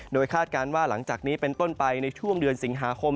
โดยคาดการณ์ว่าหลังจากนี้เป็นต้นไปในช่วงเดือนสิงหาคม